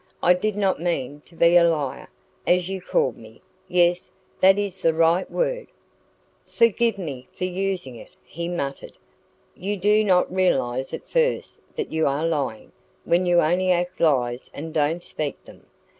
I did not mean to be a liar, as you called me yes, that is the right word " "Forgive me for using it," he muttered. "You do not realise at first that you are lying, when you only act lies and don't speak them.